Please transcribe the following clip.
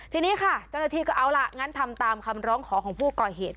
ทีนี้ค่ะเจ้าหน้าที่ก็เอาล่ะงั้นทำตามคำร้องขอของผู้ก่อเหตุ